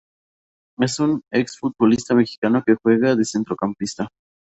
Es un exfutbolista mexicano que juega de centrocampista.